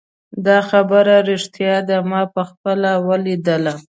دا خبره ریښتیا ده ما پخپله ولیدله